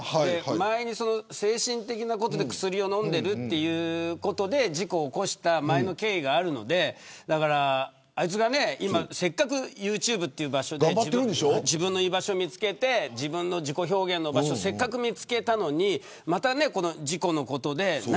前に精神的なことで薬を飲んでいるということで事故を起こした前の経緯があるのであいつが今せっかくユーチューブという場所で自分の居場所見つけて自己表現の場所せっかく見つけたのにまた事故のことで。